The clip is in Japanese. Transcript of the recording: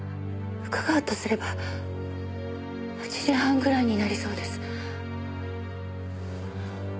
「伺うとすれば８時半ぐらいになりそうです」